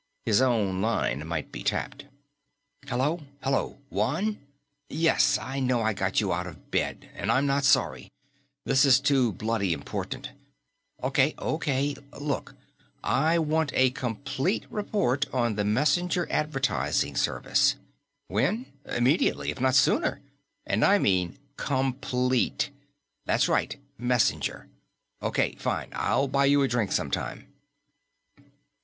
His own line might be tapped "Hello, hello, Juan?... Yes, I know I got you out of bed, and I'm not sorry. This is too bloody important.... Okay, okay.... Look, I want a complete report on the Messenger Advertising Service.... When? Immediately, if not sooner. And I mean complete.... That's right, Messenger.... Okay, fine. I'll buy you a drink sometime."